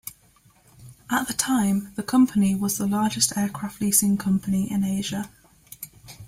At the time, the Company was the largest aircraft leasing company in Asia.